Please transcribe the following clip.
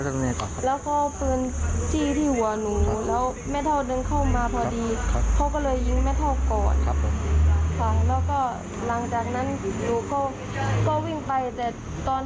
ยิ้งเนี่ยนั้นฉันไม่รู้ว่าเพื่อนยิงตอนไหน